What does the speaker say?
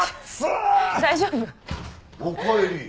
おかえり。